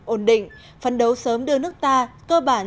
ổn định phấn đấu sớm đưa nước ta cơ bản